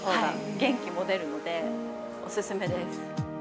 元気も出るので、お勧めです。